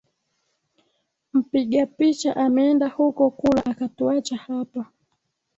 Mpiga picha ameenda huko kula, akatuacha hapa